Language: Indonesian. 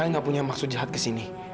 memang aku udah ilham kalau kamu pasti